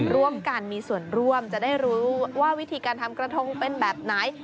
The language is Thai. ร่วมกันมีส่วนร่วมจะได้รู้ว่าวิธีการทำกระทงเป็นแบบไหน